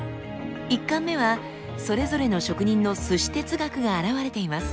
１貫目はそれぞれの職人の鮨哲学が表れています。